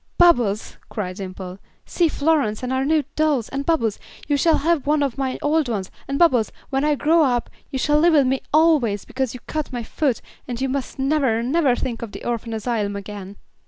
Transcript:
"Bubbles," cried Dimple, "see Florence and our new dolls, and Bubbles, you shall have one of my old ones, and Bubbles, when I grow up, you shall live with me always, because you cut my foot, and you must never, never think of the orphan asylum again.